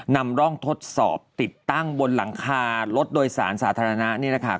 นำร่องทดสอบติดตั้งบนรังคารถโดยสารสาธารณะ